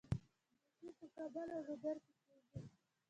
بیحي په کابل او لوګر کې کیږي.